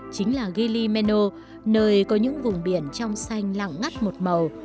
chính là gili meno nơi có những vùng biển trong xanh lặng ngắt một màu